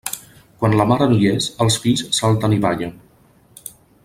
Quan la mare no hi és, els fills salten i ballen.